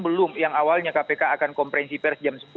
belum yang awalnya kpk akan konferensi pers jam sepuluh